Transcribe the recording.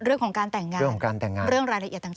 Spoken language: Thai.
เรื่องของการแต่งงานเรื่องรายละเอียดต่าง